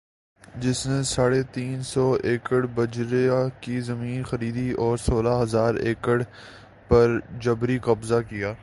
جس نے ساڑھے تین سو ایکڑبحریہ کی زمین خریدی اور سولہ ھزار ایکڑ پر جبری قبضہ کیا